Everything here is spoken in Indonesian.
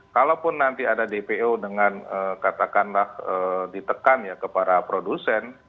kalaupun nanti ada dpo dengan katakanlah ditekan ya kepada produsen